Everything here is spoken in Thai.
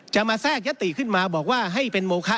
จะมาแทรกยติขึ้นมาบอกว่าให้เป็นโมคะ